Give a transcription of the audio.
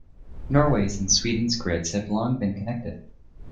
Norway and Sweden's grids have long been connected.